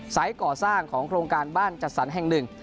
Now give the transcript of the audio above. ก่อสร้างของโครงการบ้านจัดสรรแห่งหนึ่ง